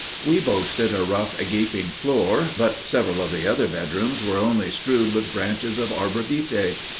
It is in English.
We boasted a rough, gaping floor, but several of the other bedrooms were only strewed with branches of arbor vitae.